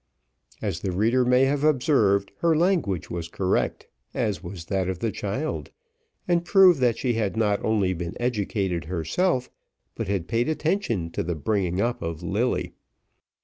As the reader may have observed, her language was correct, as was that of the child, and proved that she had not only been educated herself, but had paid attention to the bringing up of Lilly.